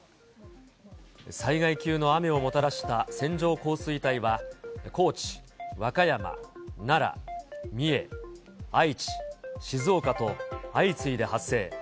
災害級の雨をもたらした線状降水帯は、高知、和歌山、奈良、三重、愛知、静岡と、相次いで発生。